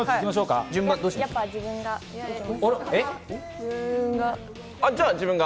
やっぱ自分が。